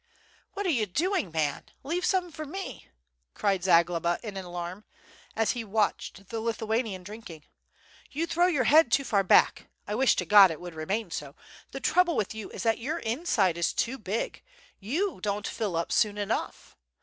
"What are you doing, man? Leave some for me," cried Zagloba, in alarm, as he watched the Lithuanian drinking. "You throw your head too far back, I wish to God it would re main so; the trouble with you is that your inside is too big, you don't fill up soon enough.